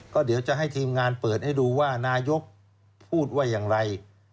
ก็เดี๋ยวจะให้ทีมงานเปิดให้ดูว่านายกพูดว่าอย่างไร